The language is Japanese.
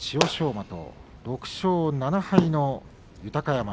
馬と６勝７敗の豊山。